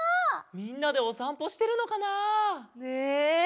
みんなでおさんぽしてるのかな？ね！